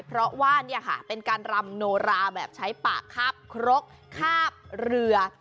เพราะว่าปรับการรำโนราแบบใช้ปากครอบครอกคาบเรือ